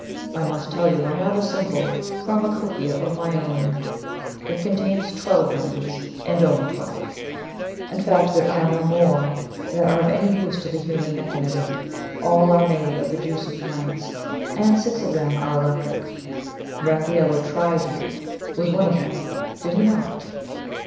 I must tell you I have a simple pharmacopoeia of my own it contains twelve remedies, and only twelve. In fact there me no more that are of any use to the human mechanism. All are made of the juice of plants, and six of them are electric. Raffaello tried you with one of them, did he not?"